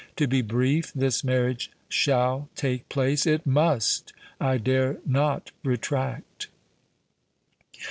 To be brief, this marriage shall take place—it must—I dare not retract."